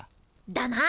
だな。